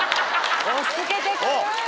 押し付けてくる！